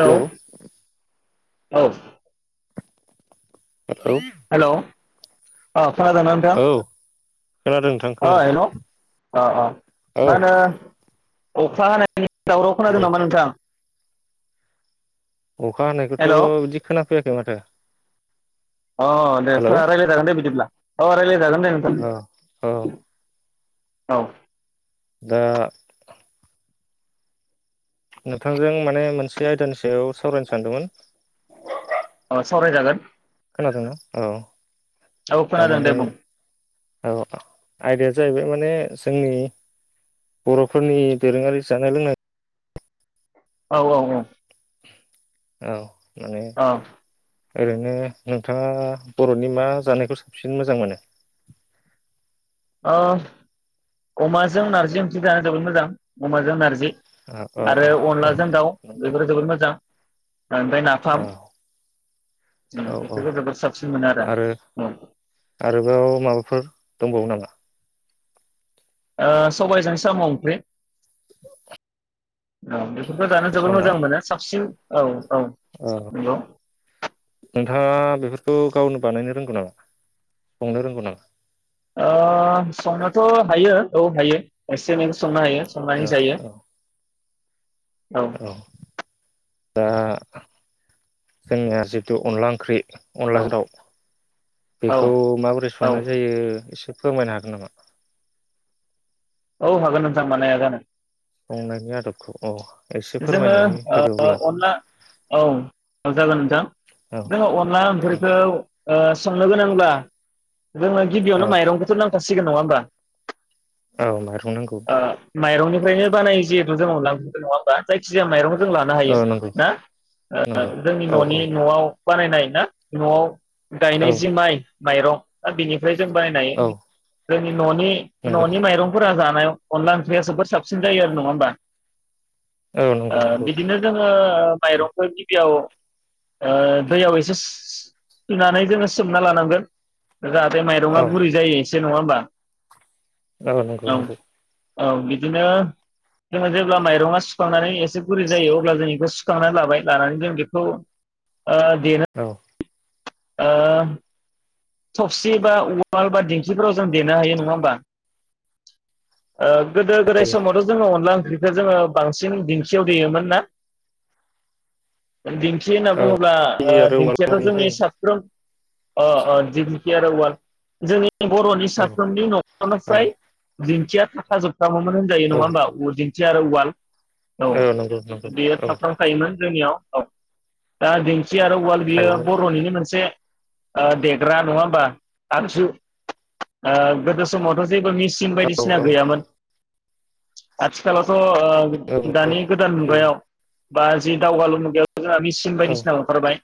Hello औ hello hello औ खोनादों ना नोंथां औ खोनादों नोंथां अ खोनादों हेल अ अ औ मा होनो अखा हानाय नि दावराव खोनादों दे नामा नोंथां? अखा हानायखौथ हेलौ बिदि खोनाफैया खै माथो अ दे हेलौ [unintelligible] रायलाय जागोन दे बिदिब्ला। औ रायलाय औ औ औ दा नोंथांजों माने मोनसे आयदानि सायाव सावरायनो सानदोंमोन। औ सावरायजागोन। खोनादोंना औ औ खोनादों थारमाने दे बुं औ आयदाया जाहैबाय माने जोंनि बर'फोरनि दोरोङारि जानाय लोंनाय औ औ औ औ माने ओरैनो नोंथाङा बर'नि मा जानायखौ साबसिन मोजां मोनो? ओ अमाजों नारजि ओंख्रि जानो जोबोद मोजां अमाजों नारजि औ औ औ आरो औ अनलाजों दाउ नंगौ बेफोरो जोबोद मोजां ओमफ्राय नाफाम औ औ औ बेफोरखौ जोबोद साबसिन मोनो आरो औ आरोबाव माबाफोर दंबावो नामा? ओ सबायजों साम' ओंख्रि औ [unintelligible] जानो जोबोर साना मोजां मोनो साबसिन औ औ नंगौ नोंथाङा बेफोरखौ गावनो बानायनो रोंगौ नामा संनो रोंगौ नामा? ओ संनोथ' हायो औ हायो एसे एनैखौ संनो हायो औ संनानै जायो। औ औ दा जोंनिया जिथु अनला ओंख्रि औ अनलाजों दाव औ बेखौ माबोरै औ संनाय जायो एसे फोरमायनो हागोन नामा? औ हागोन नोंथां मानो हाया जानो संनायनि आदबखौ औ एसे जोङो फोरमायनानै होदो ओ अब्ला अनला औ जागोन नोंथां औ जोङो अनला ओंख्रिखौ ओ संनो गोनांब्ला जोनो औ गिबियावनो माइरखौथ' नांखासि सिगोन नङा होमबा औ माइरं नांगौ ओ माइरंनिफ्रायनो बानायो जि मोजाङाव लाबोदो न'आव बा जायखिया माइरं जों लानो औ हायो नंगौ ना? ओ नंगौ जोंनि औ औ न'नि न'आव बानायनाय ना न'आव औ गायनाय जि माइ माइरं दा बिनि फ्राय जों बायनाय औ जोंनि न'नि नंगौ न'नि माइरंफोरा जानायाव अनला ओंख्रिया जोबोद साबसिन जायो आरो नंङा होमबा? औ नंगौ ओ नंगौ बिदिनो जोंङो माइरंखौ गिबियाव ओ दैयाव एसे सु-सुनानै जोंङो सोमना लानांगोन जाहाथे माइरंङा गुरै जायो। एसे नंङा होमबा? ओ नंगौ औ नंगौ। औ बिदिनो जोंङो जेब्ला माइरंआ सुखांनानै एसे गुरै जायो अब्ला जों इखो सुखांनानै लाबाय लानानै जों बेखौ ओ देना औ ओ थबसि बा उवाल बा दिंखिफोराव जों देनो हायो नङा होमबा? ओ गोदो गोदाय समावथ जोंङो अनला [unintelligible] जोंङो बांसिन दिंखियाव देयोमोन ना दिंखि होनना औ बुंङो ब्ला ओ आरो उवालाव दिंखिथियाथ देनाय जोंनि साब [unintelligible] ओ ओ दिंखि आरो उवाल जोंनि बर'नि जायोमोन साफ्रोमनि औ नखरनिफ्राय दिंखिया थाखा जोब [unintelligible] होनजायो औ नंङा होमबा [unintelligible] खि आरो उवाल। औ नंगौ नंगौ बेयो औ थाफ्राम खायोमोन। जोंनियाव औ दा दिं खि आरो उवाल बियो थायोमोन बर'निनो मोन जे ओ देग्रा नङा होमबा आगजु ओ गोदो समावथ जेबो मिचिन औ औ बायदिसिना गैयामोन। आथिखालाव थ औ ओ दानि गोदान मुगायाव बा जि दावगालु मुगायाव जोंहा मिसिन औ बायदिसिना ओंखारबाय।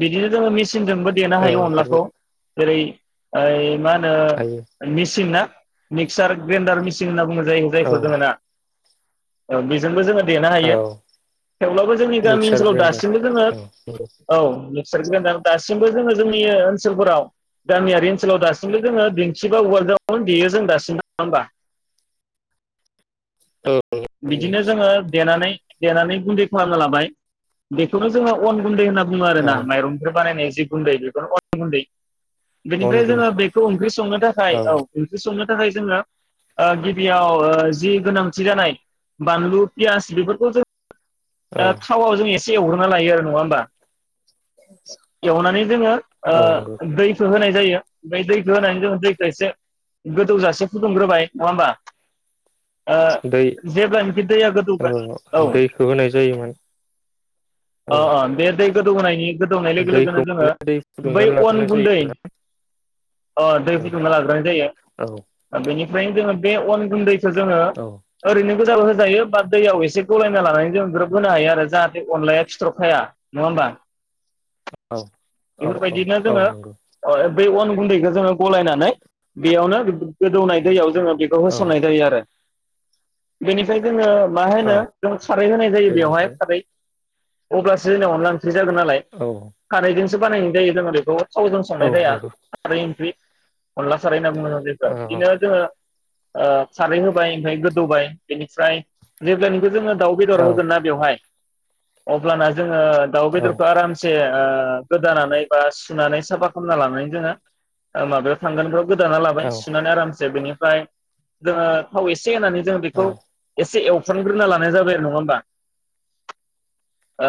बिदि जोंङो मिसि सिन जोंबो देनो हायो अनलाखौ। ओंखारबाय जेरै ओय मा हायो ओ मिसिना मिक्सार ग्रेन्डार मिसिन होनना बुङो जायो औ जायखौ जोङो ना औ बेजोंबो जोङो देनो हायो औ थेवब्लाबो जोंनि गामि मिक्सार ओनसोलाव ग्राइन्डार दासिमबो जोङो औ नंगौ औ सोर ग्रेन्डार दासिमबो जोङो जोंनि ओ ओनसोलफोराव गामियारि ओनसोलाव दासिमबो जोङो बिन्थि बा उवाल्डावनो देयो जों दासिमबो नङा होमबा। औ बिदिनो जोङो देनानै देनानै गुन्दै खालामना लाबाय बेखौनो जोङो अन गुन्दै होनना बुङो आरोना औ बे बारायनाय जि गुन्दै बेनो अन गुन्दै अन बेनिफ्राय गुन्दै जोङो बेखौ ओंख्रि संनो थाखाय औ ओंख्रि संनो थाखाय जोङो ओ गिबियाव ओ जि गोनांथि जानाय बानलु फियास बेफोरखौ जों औ ओ थावआव जों एस से हरग्रोना लायो आरो नङा होमबा एवनानै जोङो ओ नंगौ दैखौ होनाय जायो ओमफ्राय दैखौ होनानै जोङो दैखौ एसे गोदौजासे फुदुंग्रोबाय नङा होमबा ओ दै जेब्लानोखि दैया औ गोदौगोन औ दैखौ होनाय जायोमोन औ ओ ओ बे दै गोदौ होनायनि गोदौनाय लोगो लोगोनो दैखौ जोङो मोनो दै बै फुदुंनानै अन लाग्रोनाय गुन्दै जायो ओ दै औ फुदुंना लाग्रोनाय जायो औ ओ बेनि ओंखायनो जोङो बे अन गुन्दै खो जोङो औ ओरैनो गोजाबो होजायो बा दैयाव एसे गलायना लानानै जों ग्रोब होनो हायो आरो जाहाथे अनलाया फिथर खाया नङा होमबा औ औ औ बेफोरबायदिनो औ जोङो नंगौ अ एब बे अन गुन्दैखौ जोङो गलायनानै बेयावनो गोदौनाय दैयाव जोङो बेखौ औ होसननाय जायो आरो बेनिफाइ जोङो मा औ होनो जों खारै होनाय जायो बेवहाय बेनिफ्राय खारै अब्लासो होना सो जागोन नालाय औ खारैजों सो बानायनाय जायो जोंहा बेखौ थावजों औ संनाय जाया नंगौ खारै ओंख्रि अनला साराय होन्ना ब बुङो औ बेखौ बिदिनो जोङो ओ खारै होबाय ओमफाय गोदौबाय बेनिफ्राय जेब्लानिखौ जोङो दाउ बेदर औ होगोन ना बेवहाय अब्लाना जोङो दाव औ बेदखौ आरामसे ओ गोदानानै बा सुनानै साफा खालामना लानानै जोङो माबायाव थांगोन फ्राव गोदाना लाबाय औ सुनानै आराम [unintelligible] बेनिफ्राय जोङो थाव एसे होननानै जों बेखौ औ एसे एव थ्रमग्रोना लानाय जाबाय आरो नङा होमबा ओ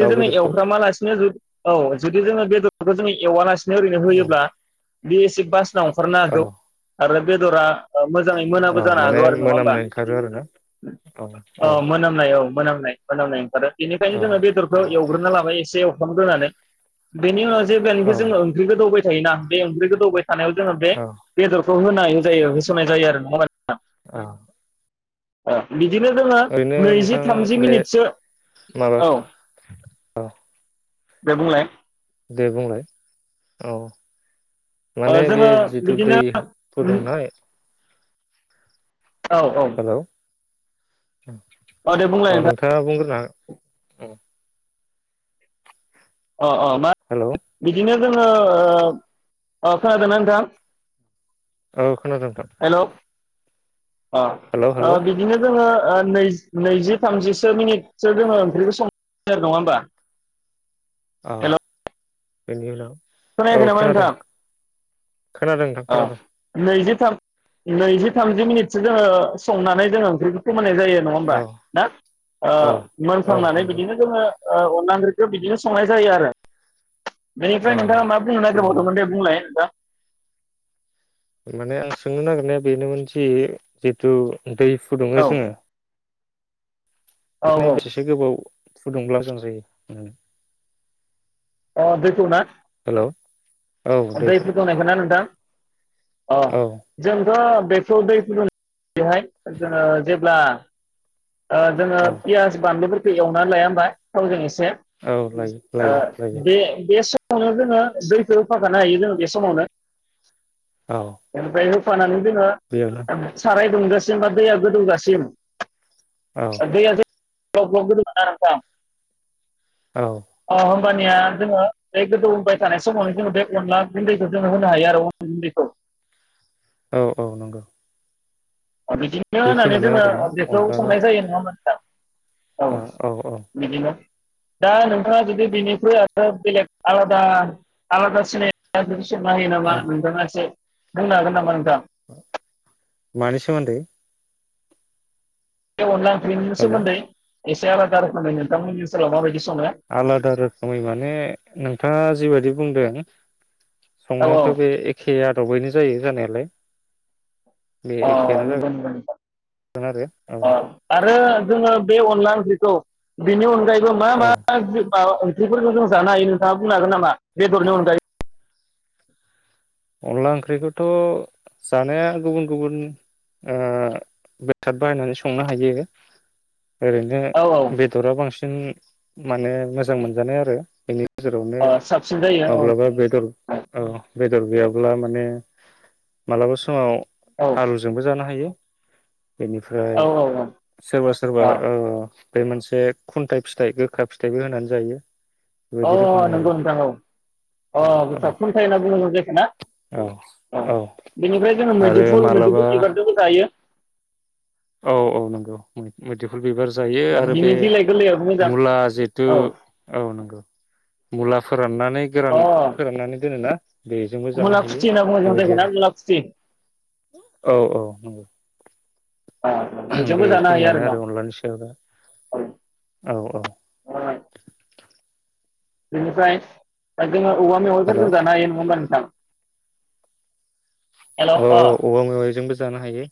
दाउ बेदरखौ एवफ्रामालासिनो जुद औ जुदि जोङो बेदरखौ जोंङो एवालासे नों ओरैनो औ होयोब्ला बिए सि फास ओंखारनो हागौ औ आरो बेदरा ओ मोजाङै औ मोनाबो जानो माने हागौ आरो नङा होमबा मोनामनाय ओंखारो आरोना औ मोनामनाय औ मोनामनाय मोनामनाय ओंखारो बेनिखायनो जोंङो बेदरखो एवग्रोना लाबाय एसे एवफ्रामग्रोनानै बेनि उनाव औ [unintelligible] जोङो ओंख्रिखौ गोदौ होयो थायोना बे ओंख्रिखौ गोदौवबाय थानायाव जोङो बे औ बदर खौ होनाय जायो होसोनाय जायो आरो नङा [unintelligible] औ ओ बि बिदिनो जोङो ओरैनो नैजि नोंथां थामजि बे मिनिटसो माबा औ औ दे बुंलाय दे बुंलाय औ ओ माने बे जोङो जिथु बिदिनो दै फुदुंनाय औ औ औ दे बुंलाय अ नोंथां नोंथाङा बुंग्रोनो हा अ अ मा हेलौ बिदिनो जोङो ओ खोनादोंना नोंथां औ खोनादों नोंथां हेलौ अ हेलौ ओ हेलौ बिदिनो जोङो ओ नै नैजि थामजिसो मिनिटसो जोङो ओंख्रिखो सं [unintelligible] नङा होमबा औ। बेनि उनाव खोनायाखै औ नामा खोनादों नोंथां? खोनादों नोंथां अ खोनादों। [unintelligible] नैजि थामजि मिनिटसो जोङो संनानै जोङो ओंख्रिखौ फो फोमोननाय जायो नङा होमबा औ ना ओ औ औ मोनखांनानै नंगौ बिदिनो जोङो ओ अनला ओंख्रिखो बिदिनो संनाय जायो आरो बेनिफ्राय औ नोंथाङा मा बुंनो माने नागिरबावदोंमोन दे बुंलाय नोंथां। माने आं सोंनो नागिरनाया बेनोमोन जि जितु दै फुदुङो औ जोङो औ [unintelligible] औ बेसेसो गोबाव फुदुंब्ला मोजां जायो ओ। अ दैखौ ना? हेलौ औ दै दैखौ फुदुंनायखौ ना नोंथां? अ औ जों [unintelligible] बेखौ दै फुदुंनायहाय जोङो जेब्ला ओ जोङो औ पियास बानलुफोर खौ एवनानै लाया होमबा थावजों एसे औ लायो सेनो लायो लायो ओ बे बे सो संनायाव जोङो दैखो होफाखानो हायो जोङो बे समावनो औ ओमफ्राय फानानै जोङो बेयावनो साराय दुंजासिम बा दैया गोदौ जासिम औ दैया जे ग्लब ग्लब गोदौवो ना नोंथां औ। अ होमबानिया जोङो बे गोदौबाय थानाय समावनो जोङो बे अनला गुन्दैखौ जों होनो हायो आरो अन गुन्दैखौ। औ औ नंगौ। बिदिनो होनानै बेखिनियानो जोङो आरोना बेखौ अनला संनाय जायो नङा होमबा नोंथां? औ बिदिनो। दा नोंथाङा जुदि बेनिख्रुइ आरो बेलेग आलादा आलादा सिनाय नाया नोंस मानि नामा औ नोंथाङा एसे बुंनो हागोन नामा नोंथां मानि सोमोन्दै बे अनला बेनि हेलौ सोमोन्दै एसे आलादा रोखोमै नोंथांमोननि ओसोलाव माबायदि स आलादा रोखोमै माने नोंथाङा जिबायदि बुंदों औ संनायाथ बे एखे आदबैनो जायो जानाया लाय औ नंगौ नंगौ नोंथां जागोन आरो औ अ आरो जोङो बे अनला ओंख्रिखौ बिनि अनगायै खौ मा औ मा जि माबा बेफोरखौ जों जानो हायो नोंथाङा बुंनो हागोन नामा बेदरनि अनगायै अनला ओंख्रिखौथ जानाया गुबुन गुबुन ओ बेसाद बाहायनानै संनो हायो ओरैनो औ औ बेदरा बांसिन माने मोजां मोनजानाय आरो बेनि गेजेरावनो ओ साबसिन जायो औ माब्लाबा बेदर औ बेदर गैयाब्ला माने मालाबा समाव औ आलुजोंबो जानो हायो बेनिफ्राय औ सोरबा सोरबा औ ओ बे मोनसे खुन्थाइ फिथाइ गोखा फिथाइबो होनानै जायो अ बेबायदि रोखोमनि आरो नंगौ नोंथां औ औ अ औ बेखौ खुन्थाइ होनना बुङोमोन जे नोगोना औ औ बेनिफ्राय जोङो आरो मैदेरफुल मालाबा मैदेरफुल बिबारजोंबो जायो औ औ नंगौ उम मैदोफुल बिबार जायो आरो बे बिनि बिलाइ गोरलैयाबो मोजां मुला जिथु औ औ नंगौ मुलाफार राननानै गोरान अ फोराननानै दोनो ना? बेजोंबो जानो मुला हायो खुथि होनना बुङो जों बेबायदि जायखौ ना आरो मुला खुथि औ औ नंगौ अ, बेजोंबो जानो हायो आरो बेखिनियानोआरो न अनलानि सायाव दा औ औ औ बेनिफ्राय दा जोङो औवा हेल' मेवायफोरजों जानो हायो नङा होनबो नो ओं। औ औवा मेवायजोंबो। जानो हायो।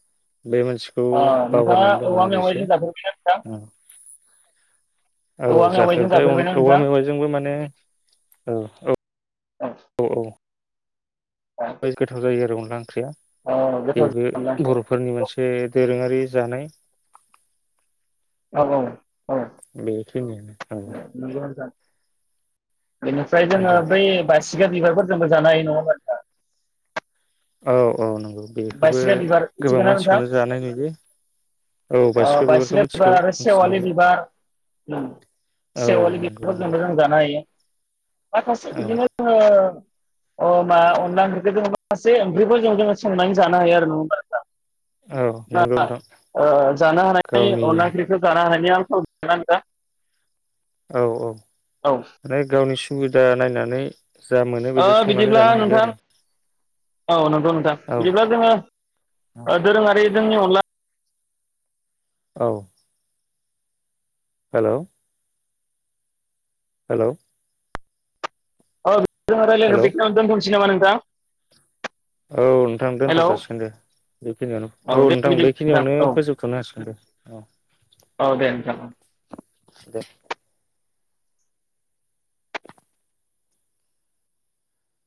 बे मोनसिखौ नोंथाङा बावगारनानै औवा दंमोन आरो एसे मेवाइजों [inaudible] जाफेरबायना नोंथां औ औवा मेवाइजों जाफेरबाय जाफेरबायना अन-औवा नोंथां मेवाइजोंबो माने औ औ औ औ। औ [unintelligible] गोथाव जायो आरो अन ख्रिया औ गोथाव बेबो जागोन बर'फोरनि मोनसे जे दोरोङारि जानाय औ औ औ बेखिनियानो औ नंगौ नोंथां। बेनिफ्राय जोङो नंगौ बै बासिगार बिबारफोर जानो हायो नङा होनबा नोंथां? औ औ नं [unintelligible] बायसिगार बिबार मिथिगोना नोंथां? जानाय नुयो औ अ बासिखौ बिबारखौ बायसिग्रा मिथिगौ बिबार आरो सेवालि मिथिनायालाय बिबार औ सेवालि नंगौ नंगौ बिबारफोरजोंबो जों जानो हायो। माखासे औ बिदिनो जोङो। अ मा अनला ओंख्रिखौ [unintelligible] मासे ओंख्रिफोरजों जोङो संनानै जानो हायो आरो नंआ होनबा औ नोंथां? नंगौ [unintelligible] नोंथां ओ जानो हानाय गावनि अनला ओंख्रिखो जानो हानाय। [unintelligible] औ औ। [unintelligible] गावनिस। सुबिदा नायनानै जा मोनो ओ बेजों संनानै बिदिब्ला जानो हायो नोंथां औ नंगौ नोंथां आरो बिदिब्ला जोङो औ ओ दोरोङारि। जोंनि अनला। औ। हेल' हेल' जों रायलायखो हेलौ बेखिनियावनो दोनथनिसै नामानों - [unintelligible] औ नोंथां दोनथ जाासिगोन दे बेखिनियावनो औ दे नोंथां बिदिब्ला नोंथां बेखिनियावनो औ फोजोबथनो हासिगोन दे औ। औ दे नोंथां दे।